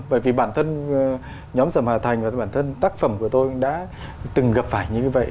bởi vì bản thân nhóm sầm hòa thành và bản thân tác phẩm của tôi đã từng gặp phải như như vậy